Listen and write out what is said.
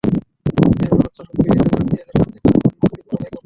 এরপর হত্যার হুমকি দিয়ে তাঁদের আত্মীয়দের কাছে থেকে মুক্তিপণ আদায় করত।